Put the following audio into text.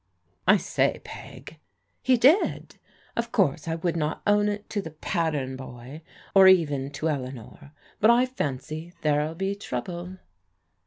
" I say, Peg." " He did. Of course I would not own it to the * pat tern boy,' or even to Eleanor. But I fancy there'll be trouble."